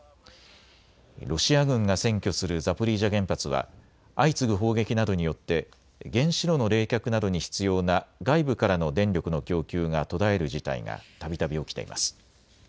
ロシア軍が占拠するザポリージャ原発は相次ぐ砲撃などによって原子炉の冷却などに必要な外部からの電力の供給が途絶える事態がたびたび起きています。